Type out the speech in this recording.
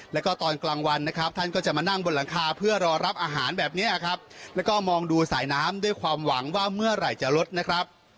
แล้วก็ตอนกลางวันนะครับท่านก็จะมานั่งบนหลังคาเพื่อรอรับอาหารแบบนี้ครับแล้วก็มองดูสายน้ำด้วยความหวังว่าเมื่อไหร่จะลดนะครับ